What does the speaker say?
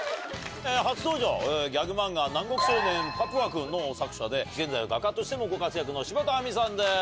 初登場ギャグ漫画『南国少年パプワくん』の作者で現在は画家としてもご活躍の柴田亜美さんです。